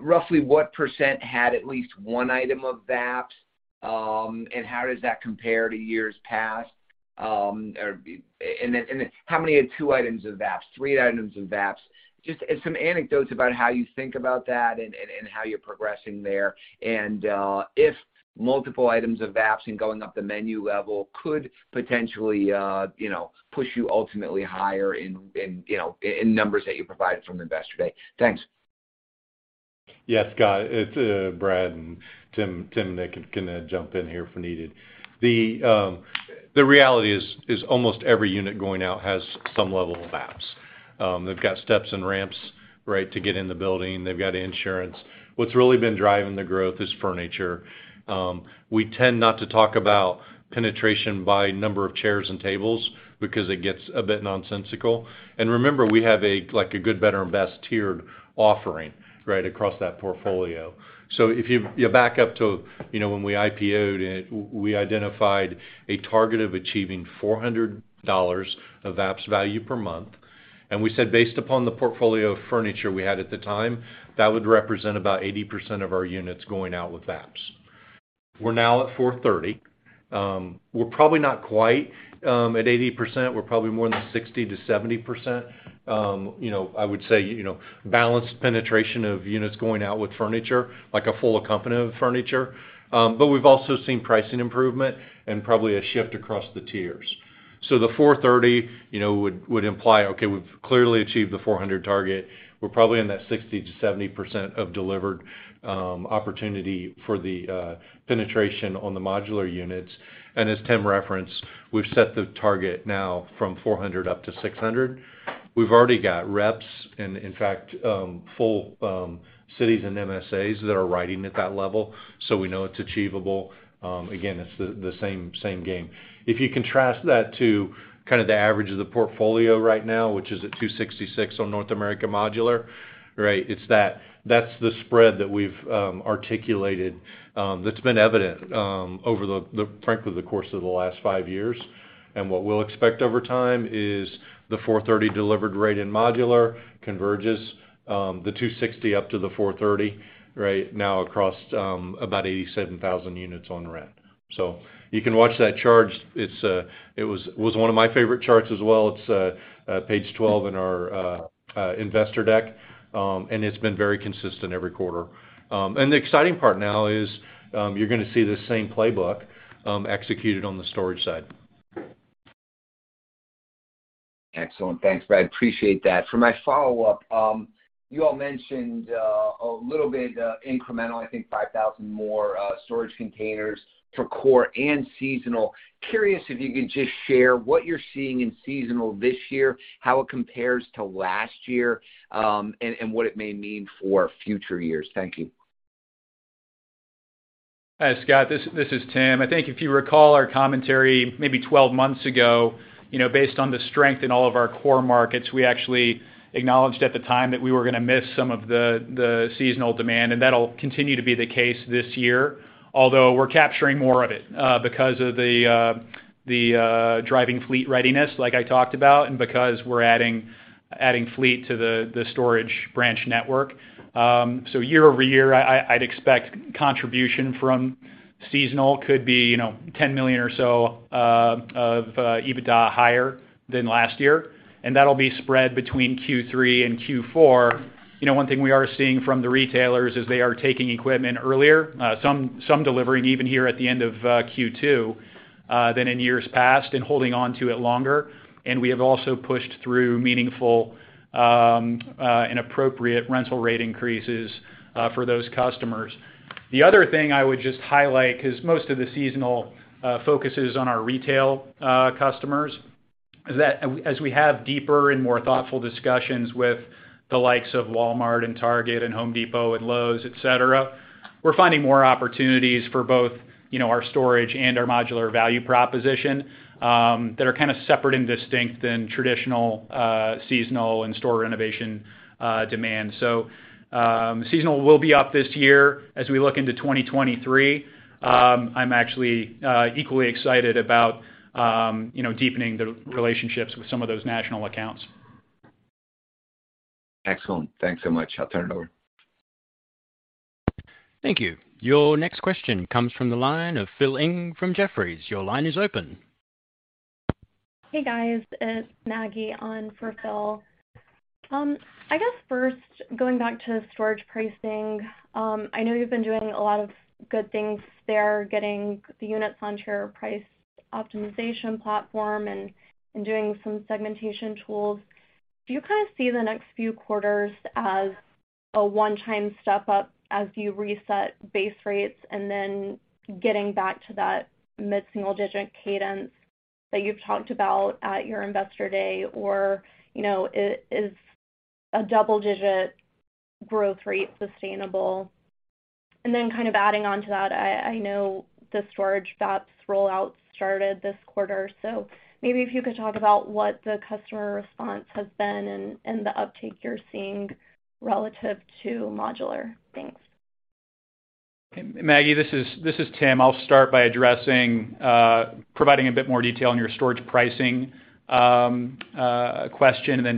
H: roughly what percent had at least one item of VAPS, and how does that compare to years past? And then, how many had two items of VAPS, three items of VAPS? Just some anecdotes about how you think about that and how you're progressing there. If multiple items of VAPS and going up the menu level could potentially, you know, push you ultimately higher in, you know, in numbers that you provided from Investor Day. Thanks.
C: Yes, Scott. It's Brad, and Tim and Nick can jump in here if needed. The reality is almost every unit going out has some level of VAPS. They've got steps and ramps, right, to get in the building. They've got insurance. What's really been driving the growth is furniture. We tend not to talk about penetration by number of chairs and tables because it gets a bit nonsensical. Remember, we have like a good, better, and best tiered offering, right, across that portfolio. So if you back up to, you know, when we IPO'd, we identified a target of achieving $400 of VAPS value per month. We said based upon the portfolio of furniture we had at the time, that would represent about 80% of our units going out with VAPS. We're now at $430. We're probably not quite at 80%, we're probably more than 60%-70%. You know, I would say, you know, balanced penetration of units going out with furniture, like a full accompaniment of furniture. But we've also seen pricing improvement and probably a shift across the tiers. The $430, you know, would imply, okay, we've clearly achieved the $400 target. We're probably in that 60%-70% of delivered opportunity for the penetration on the modular units. As Tim referenced, we've set the target now from $400 up to $600. We've already got reps and in fact full cities and MSAs that are riding at that level, so we know it's achievable. Again, it's the same game. If you contrast that to kind of the average of the portfolio right now, which is at $266 on North America Modular, right? It's that that's the spread that we've articulated that's been evident over the frankly the course of the last five years. What we'll expect over time is the $430 delivered rate in modular converges the $260 up to the $430 right now across about 87,000 units on rent. You can watch that chart. It was one of my favorite charts as well. It's page 12 in our investor deck, and it's been very consistent every quarter. The exciting part now is you're gonna see the same playbook executed on the storage side.
H: Excellent. Thanks, Brad. Appreciate that. For my follow-up, you all mentioned, a little bit, incremental, I think 5,000 more, storage containers for core and seasonal. Curious if you could just share what you're seeing in seasonal this year, how it compares to last year, and what it may mean for future years. Thank you.
D: Hi, Scott. This is Tim. I think if you recall our commentary maybe 12 months ago, you know, based on the strength in all of our core markets, we actually acknowledged at the time that we were gonna miss some of the seasonal demand, and that'll continue to be the case this year. Although we're capturing more of it because of the driving fleet readiness like I talked about, and because we're adding fleet to the storage branch network. Year-over-year, I'd expect contribution from seasonal could be, you know, $10 million or so of EBITDA higher than last year. That'll be spread between Q3 and Q4. You know, one thing we are seeing from the retailers is they are taking equipment earlier, some delivering even here at the end of Q2 than in years past and holding onto it longer. We have also pushed through meaningful and appropriate rental rate increases for those customers. The other thing I would just highlight, because most of the seasonal focus is on our retail customers, as we have deeper and more thoughtful discussions with the likes of Walmart, and Target, and Home Depot, and Lowe's, et cetera, we're finding more opportunities for both, you know, our storage and our modular value proposition that are kind of separate and distinct than traditional seasonal and store renovation demand. Seasonal will be up this year. As we look into 2023, I'm actually equally excited about, you know, deepening the relationships with some of those national accounts.
H: Excellent. Thanks so much. I'll turn it over.
A: Thank you. Your next question comes from the line of Philip Ng from Jefferies. Your line is open.
I: Hey, guys, it's Maggie on for Phil. I guess first going back to storage pricing, I know you've been doing a lot of good things there, getting the units onto your price optimization platform and doing some segmentation tools. Do you kind of see the next few quarters as a one-time step up as you reset base rates and then getting back to that mid-single-digit cadence that you've talked about at your Investor Day? Or, you know, is a double-digit growth rate sustainable? And then kind of adding on to that, I know the storage VAPS rollout started this quarter, so maybe if you could talk about what the customer response has been and the uptake you're seeing relative to modular. Thanks.
D: Okay. Maggie, this is Tim. I'll start by providing a bit more detail on your storage pricing question.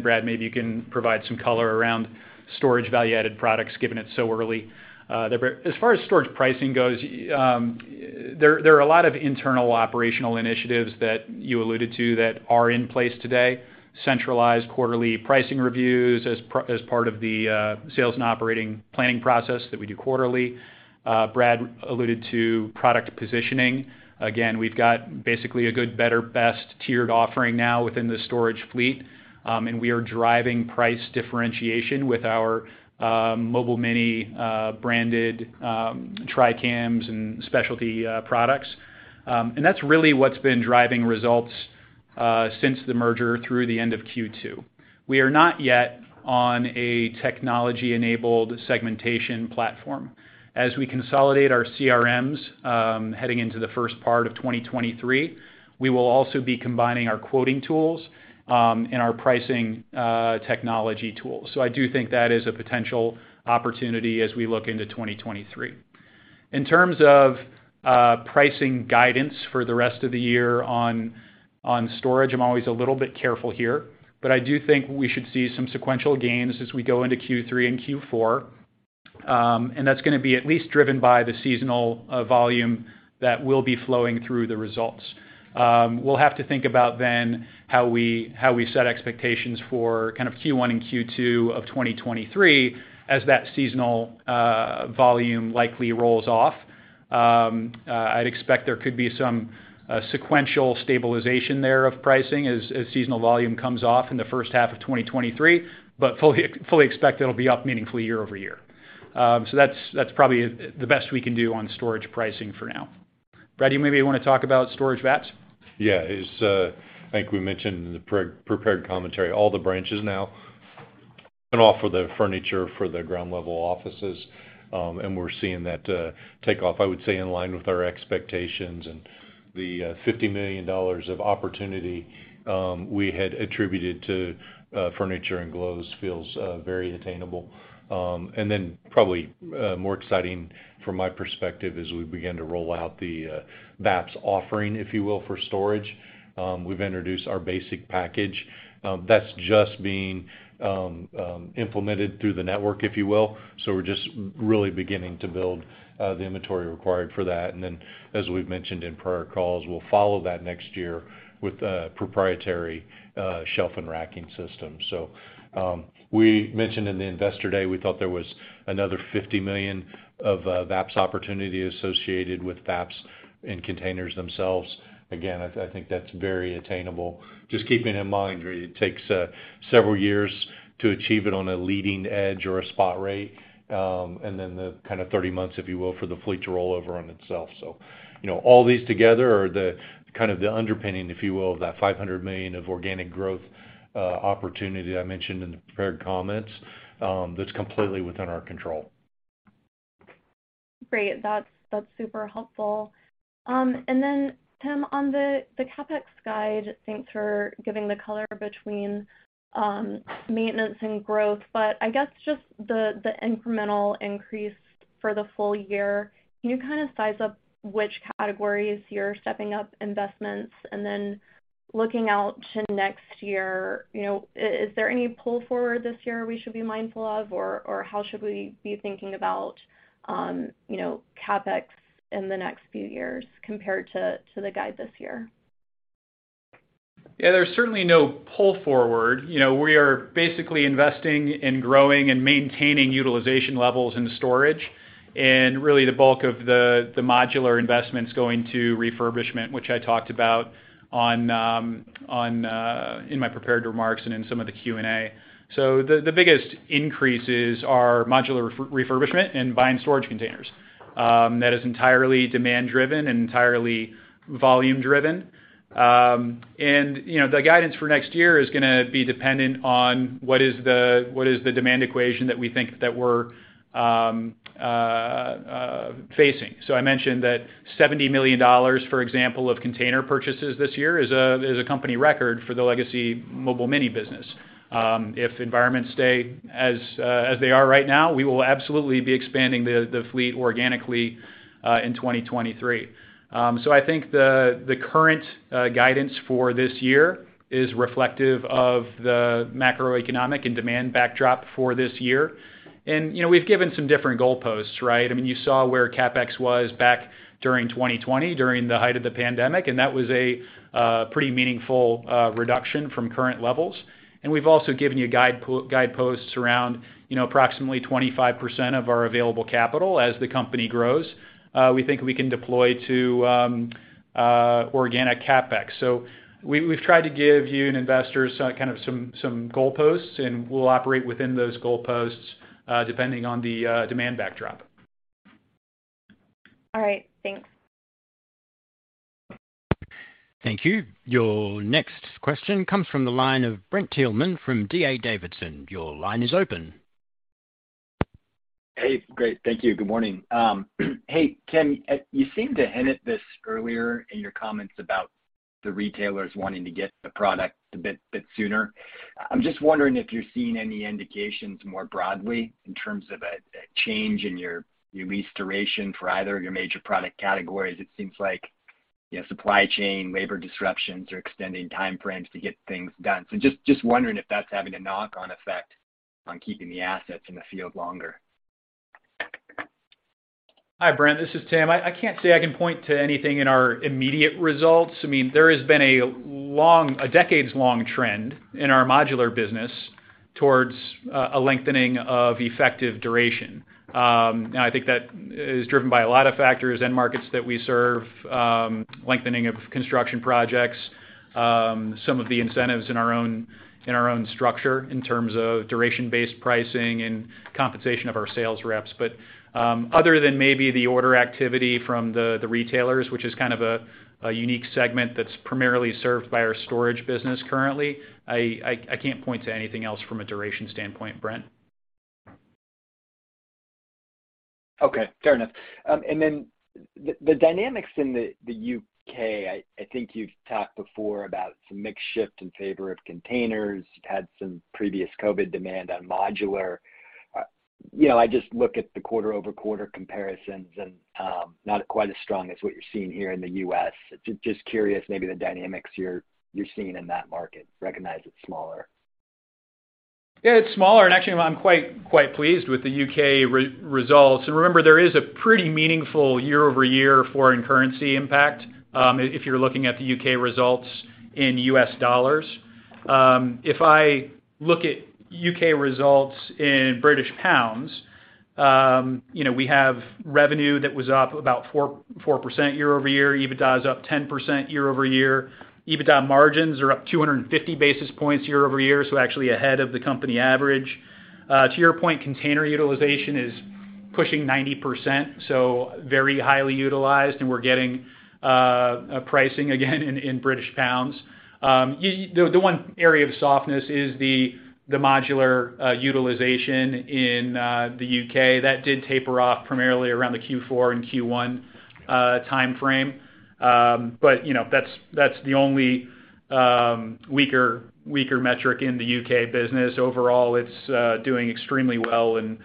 D: Brad, maybe you can provide some color around storage value-added products, given it's so early. As far as storage pricing goes, there are a lot of internal operational initiatives that you alluded to that are in place today. Centralized quarterly pricing reviews as part of the sales and operating planning process that we do quarterly. Brad alluded to product positioning. Again, we've got basically a good, better, best tiered offering now within the storage fleet, and we are driving price differentiation with our Mobile Mini branded Tri-Cams and specialty products. That's really what's been driving results since the merger through the end of Q2. We are not yet on a technology-enabled segmentation platform. As we consolidate our CRMs, heading into the first part of 2023, we will also be combining our quoting tools, and our pricing technology tools. I do think that is a potential opportunity as we look into 2023. In terms of pricing guidance for the rest of the year on storage, I'm always a little bit careful here, but I do think we should see some sequential gains as we go into Q3 and Q4. That's gonna be at least driven by the seasonal volume that will be flowing through the results. We'll have to think about then how we set expectations for kind of Q1 and Q2 of 2023 as that seasonal volume likely rolls off. I'd expect there could be some sequential stabilization there of pricing as seasonal volume comes off in the first half of 2023, but fully expect it'll be up meaningfully year-over-year. That's probably the best we can do on storage pricing for now. Brad, do you maybe wanna talk about storage VAPS?
C: Yeah. As I think we mentioned in the prepared commentary, all the branches now can offer the furniture for the ground level offices, and we're seeing that take off, I would say, in line with our expectations and the $50 million of opportunity we had attributed to furniture and GLOs feels very attainable and then probably more exciting from my perspective as we begin to roll out the VAPS offering, if you will, for storage. We've introduced our basic package. That's just being implemented through the network, if you will. We're just really beginning to build the inventory required for that. As we've mentioned in prior calls, we'll follow that next year with a proprietary shelf and racking system. We mentioned in the Investor Day, we thought there was another $50 million of VAPS opportunity associated with VAPS and containers themselves. Again, I think that's very attainable. Just keeping in mind, it takes several years to achieve it on a leading edge or a spot rate, and then the kind of 30 months, if you will, for the fleet to roll over on itself. You know, all these together are the kind of the underpinning, if you will, of that $500 million of organic growth opportunity I mentioned in the prepared comments, that's completely within our control.
I: Great. That's super helpful. Tim, on the CapEx guide, thanks for giving the color between maintenance and growth. I guess just the incremental increase for the full year. Can you kind of size up which categories you're stepping up investments? And then looking out to next year, you know, is there any pull forward this year we should be mindful of, or how should we be thinking about, you know, CapEx in the next few years compared to the guide this year?
D: Yeah, there's certainly no pull forward. You know, we are basically investing in growing and maintaining utilization levels in storage, and really the bulk of the modular investments going to refurbishment, which I talked about in my prepared remarks and in some of the Q&A. The biggest increases are modular refurbishment and buying storage containers. That is entirely demand driven and entirely volume driven. You know, the guidance for next year is gonna be dependent on what is the demand equation that we think that we're facing. I mentioned that $70 million, for example, of container purchases this year is a company record for the legacy Mobile Mini business. If environments stay as they are right now, we will absolutely be expanding the fleet organically in 2023. I think the current guidance for this year is reflective of the macroeconomic and demand backdrop for this year. You know, we've given some different goalposts, right? I mean, you saw where CapEx was back during 2020, during the height of the pandemic, and that was a pretty meaningful reduction from current levels. We've also given you guideposts around, you know, approximately 25% of our available capital as the company grows, we think we can deploy to organic CapEx. We've tried to give you and investors kind of some goalposts, and we'll operate within those goalposts depending on the demand backdrop.
I: All right. Thanks.
A: Thank you. Your next question comes from the line of Brent Thielman from D.A. Davidson. Your line is open.
J: Hey. Great. Thank you. Good morning. Hey, Tim Boswell, you seemed to hint at this earlier in your comments about the retailers wanting to get the product a bit sooner. I'm just wondering if you're seeing any indications more broadly in terms of a change in your lease duration for either of your major product categories. It seems like supply chain, labor disruptions are extending time frames to get things done. Just wondering if that's having a knock-on effect on keeping the assets in the field longer.
D: Hi, Brent. This is Tim. I can't say I can point to anything in our immediate results. I mean, there has been a decades-long trend in our modular business towards a lengthening of effective duration. I think that is driven by a lot of factors, end markets that we serve, lengthening of construction projects, some of the incentives in our own structure in terms of duration-based pricing and compensation of our sales reps. Other than maybe the order activity from the retailers, which is kind of a unique segment that's primarily served by our storage business currently, I can't point to anything else from a duration standpoint, Brent.
J: Okay. Fair enough. Then the dynamics in the U.K., I think you've talked before about some mix shift in favor of containers. You've had some previous COVID demand on modular. You know, I just look at the quarter-over-quarter comparisons and not quite as strong as what you're seeing here in the U.S. Just curious, maybe the dynamics you're seeing in that market. Recognize it's smaller.
D: Yeah, it's smaller, and actually I'm quite pleased with the U.K. results. Remember, there is a pretty meaningful year-over-year foreign currency impact, if you're looking at the U.K. results in U.S. dollars. If I look at U.K. results in British pounds, you know, we have revenue that was up about 4% year-over-year. EBITDA is up 10% year-over-year. EBITDA margins are up 250 basis points year-over-year, so actually ahead of the company average. To your point, container utilization is pushing 90%, so very highly utilized, and we're getting pricing again in British pounds. The one area of softness is the modular utilization in the U.K. That did taper off primarily around the Q4 and Q1 timeframe. You know, that's the only weaker metric in the U.K. business. Overall, it's doing extremely well and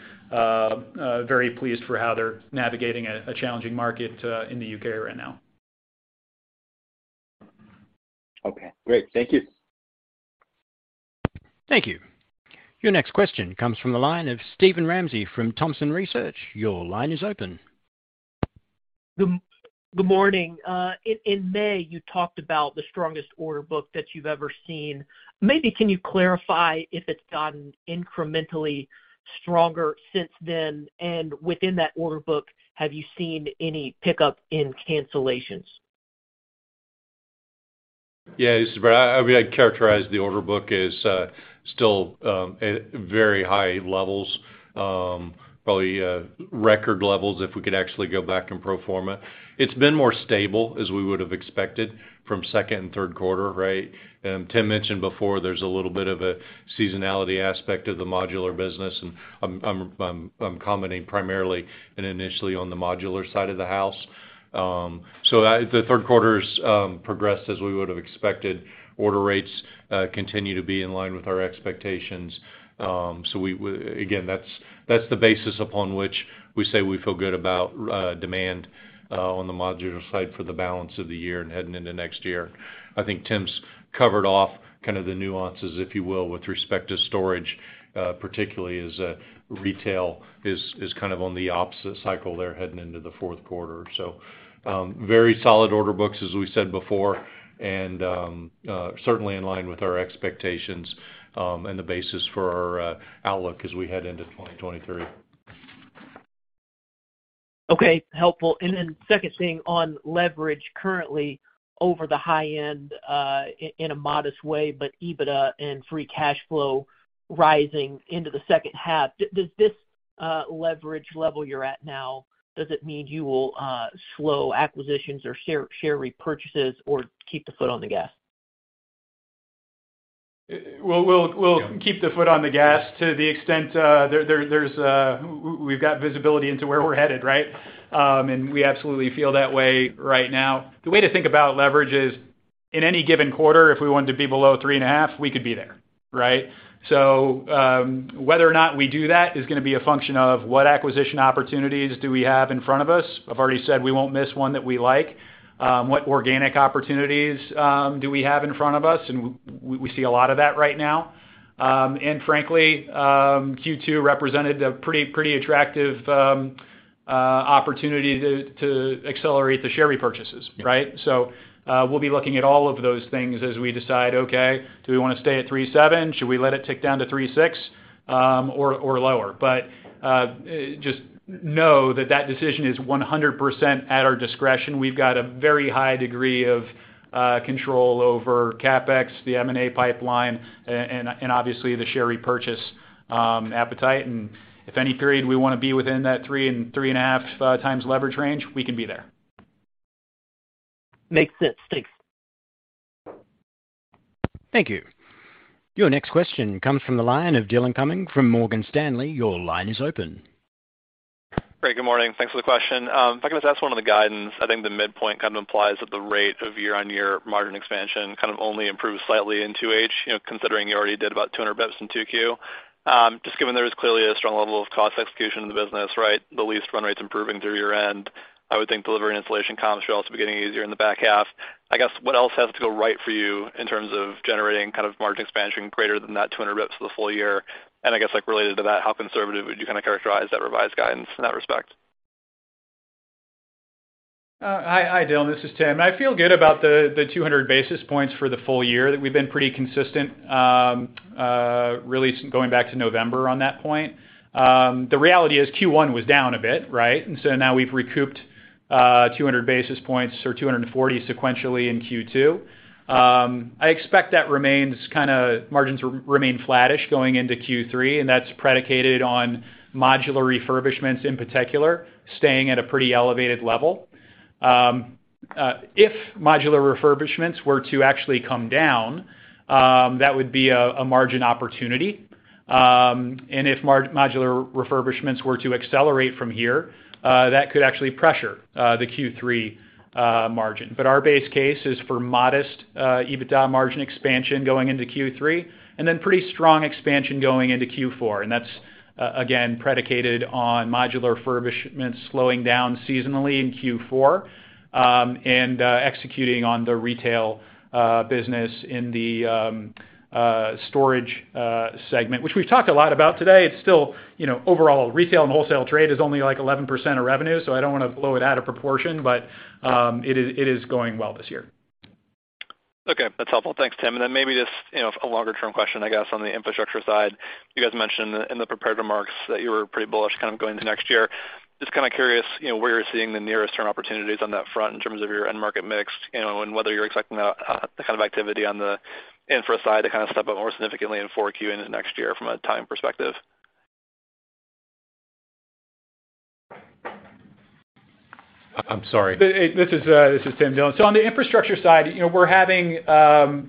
D: very pleased for how they're navigating a challenging market in the U.K. right now.
J: Okay, great. Thank you.
A: Thank you. Your next question comes from the line of Steven Ramsey from Thompson Research Group. Your line is open.
K: Good morning. In May, you talked about the strongest order book that you've ever seen. Maybe can you clarify if it's gotten incrementally stronger since then? Within that order book, have you seen any pickup in cancellations?
C: Yeah. This is Brad. We had characterized the order book as still at very high levels, probably record levels if we could actually go back and pro forma. It's been more stable as we would have expected from second and third quarter, right? Tim mentioned before there's a little bit of a seasonality aspect of the modular business, and I'm commenting primarily and initially on the modular side of the house. The third quarter's progressed as we would have expected. Order rates continue to be in line with our expectations. Again, that's the basis upon which we say we feel good about demand on the modular side for the balance of the year and heading into next year. I think Tim's covered off kind of the nuances, if you will, with respect to storage, particularly as retail is kind of on the opposite cycle there heading into the fourth quarter. Very solid order books, as we said before, and certainly in line with our expectations, and the basis for our outlook as we head into 2023.
K: Okay. Helpful. Second thing on leverage currently over the high end, in a modest way, but EBITDA and free cash flow rising into the second half. Does this leverage level you're at now, does it mean you will slow acquisitions or share repurchases or keep the foot on the gas?
D: Well, we'll keep the foot on the gas to the extent there's - we have got visibility into where we're headed, right? We absolutely feel that way right now. The way to think about leverage is, in any given quarter, if we want to be below three and a half, we could be there, right? Whether or not we do that is gonna be a function of what acquisition opportunities do we have in front of us. I've already said we won't miss one that we like. What organic opportunities do we have in front of us? We see a lot of that right now. Frankly, Q2 represented a pretty attractive opportunity to accelerate the share repurchases, right? We'll be looking at all of those things as we decide, okay, do we wanna stay at 3.7? Should we let it tick down to 3.6, or lower? Just know that that decision is 100% at our discretion. We've got a very high degree of control over CapEx, the M&A pipeline, and obviously, the share repurchase appetite. If any period we wanna be within that 3-3.5x leverage range, we can be there.
K: Makes sense. Thanks.
A: Thank you. Your next question comes from the line of Dillon Cumming from Morgan Stanley. Your line is open.
L: Great. Good morning. Thanks for the question. If I could just ask one on the guidance. I think the midpoint kind of implies that the rate of year-on-year margin expansion kind of only improves slightly in 2H, you know, considering you already did about 200 basis points in 2Q. Just given there is clearly a strong level of cost execution in the business, right, the lease run rate's improving through year-end, I would think delivery and installation comps should also be getting easier in the back half. I guess, what else has to go right for you in terms of generating kind of margin expansion greater than that 200 basis points for the full year? And I guess, like related to that, how conservative would you kind of characterize that revised guidance in that respect?
D: Hi, Dillon, this is Tim. I feel good about the 200 basis points for the full year, that we've been pretty consistent, really going back to November on that point. The reality is Q1 was down a bit, right? Now we've recouped 200 basis points or 240 sequentially in Q2. I expect that remains kinda margins remain flattish going into Q3, and that's predicated on modular refurbishments in particular, staying at a pretty elevated level. If modular refurbishments were to actually come down, that would be a margin opportunity. If modular refurbishments were to accelerate from here, that could actually pressure the Q3 margin. Our base case is for modest EBITDA margin expansion going into Q3, and then pretty strong expansion going into Q4. That's again predicated on modular refurbishments slowing down seasonally in Q4, and executing on the retail business in the storage segment, which we've talked a lot about today. It's still, you know, overall, retail and wholesale trade is only, like, 11% of revenue, so I don't wanna blow it out of proportion, but it is going well this year.
L: Okay, that's helpful. Thanks, Tim. Then maybe just, you know, a longer-term question, I guess, on the infrastructure side. You guys mentioned in the prepared remarks that you were pretty bullish kind of going into next year. Just kinda curious, you know, where you're seeing the nearest term opportunities on that front in terms of your end market mix, you know, and whether you're expecting a kind of activity on the infra side to kind of step up more significantly in 4Q and next year from a time perspective.
D: This is Tim, Dillon. On the infrastructure side, you know, we're having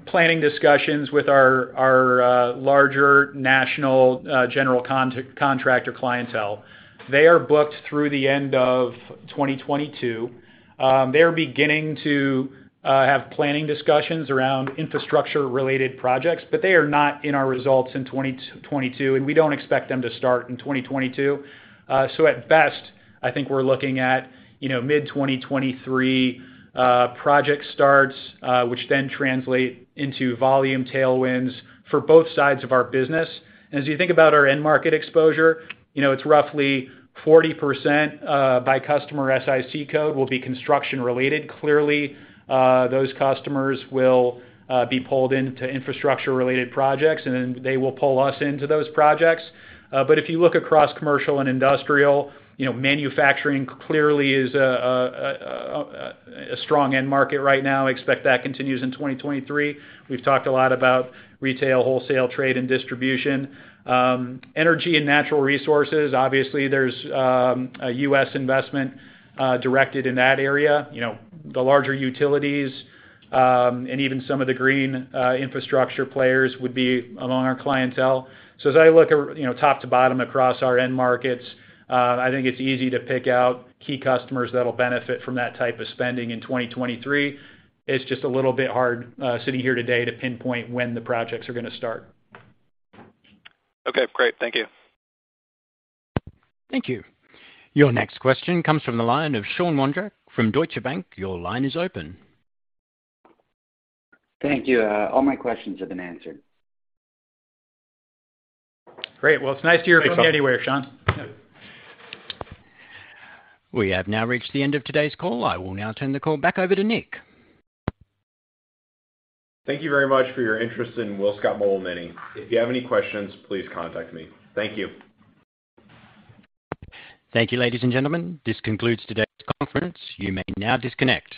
D: planning discussions with our larger national general contractor clientele. They are booked through the end of 2022. They're beginning to have planning discussions around infrastructure-related projects, but they are not in our results in 2022, and we don't expect them to start in 2022. At best, I think we're looking at, you know, mid-2023 project starts, which then translate into volume tailwinds for both sides of our business. As you think about our end market exposure, you know, it's roughly 40% by customer SIC code will be construction related. Clearly, those customers will be pulled into infrastructure-related projects, and they will pull us into those projects. If you look across commercial and industrial, you know, manufacturing clearly is a strong end market right now. Expect that continues in 2023. We've talked a lot about retail, wholesale, trade, and distribution. Energy and natural resources, obviously, there's a U.S. investment directed in that area. You know, the larger utilities and even some of the green infrastructure players would be among our clientele. As I look at, you know, top to bottom across our end markets, I think it's easy to pick out key customers that'll benefit from that type of spending in 2023. It's just a little bit hard sitting here today to pinpoint when the projects are gonna start.
L: Okay, great. Thank you.
A: Thank you. Your next question comes from the line of Sean Wondrack from Deutsche Bank. Your line is open.
G: Thank you. All my questions have been answered.
D: Great. Well, it's nice to hear from you anyway, Sean.
A: We have now reached the end of today's call. I will now turn the call back over to Nick.
B: Thank you very much for your interest in WillScot Mobile Mini. If you have any questions, please contact me. Thank you.
A: Thank you, ladies and gentlemen. This concludes today's conference. You may now disconnect.